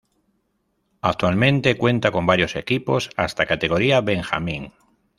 Actualmente cuenta con varios equipos hasta categoría benjamín.